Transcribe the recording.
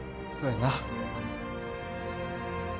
そうやな